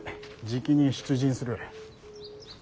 じきに出陣する。